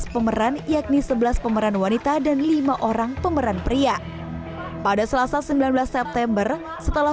pemeran yakni sebelas pemeran wanita dan lima orang pemeran pria pada selasa sembilan belas september setelah